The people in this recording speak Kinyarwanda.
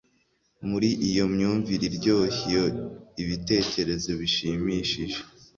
Muri iyo myumvire iryoshye iyo ibitekerezo bishimishije